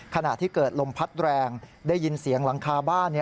ขณะที่เกิดลมพัดแรงได้ยินเสียงหลังคาบ้าน